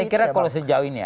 saya kira kalau sejauh ini ya